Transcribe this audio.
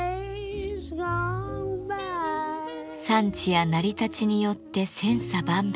産地や成り立ちによって千差万別。